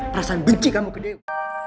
perasaan benci kamu ke dia